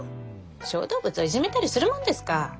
小動物をいじめたりするもんですか。